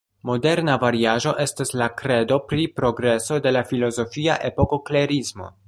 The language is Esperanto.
Moderna variaĵo estas la kredo pri progreso de la filozofia epoko klerismo.